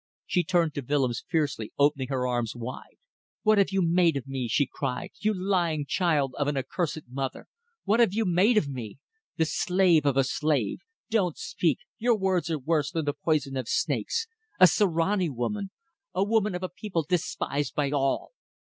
She turned to Willems fiercely, opening her arms wide. "What have you made of me?" she cried, "you lying child of an accursed mother! What have you made of me? The slave of a slave. Don't speak! Your words are worse than the poison of snakes. A Sirani woman. A woman of a people despised by all."